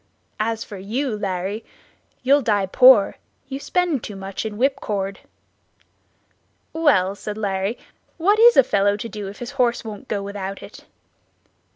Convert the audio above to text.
As for you, Larry, you'll die poor; you spend too much in whipcord." "Well," said Larry, "what is a fellow to do if his horse won't go without it?"